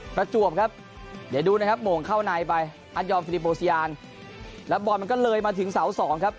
ประจวบครับเดี๋ยวดูนะครับโมงเข้าในไปอันยอมฟิลิโบซียานแล้วบอลมันก็เลยมาถึงเสาสองครับ